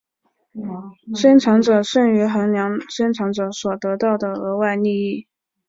生产者剩余衡量生产者所得到的额外利益。